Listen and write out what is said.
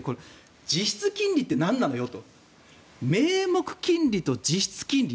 実質金利って何なのっていうと名目金利と実質金利